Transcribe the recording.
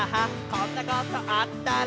こんなことあったら」